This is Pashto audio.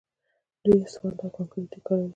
دوی اسفالټ او کانکریټ کاروي.